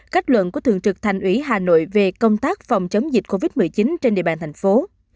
kết luận của thường trực thành ủy hà nội về công tác phòng chống dịch covid một mươi chín trên địa bàn thành phố